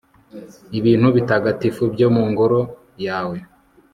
ibintu bitagatifu byo mu ngoro yawe